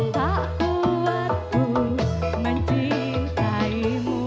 tak kuat ku mencintaimu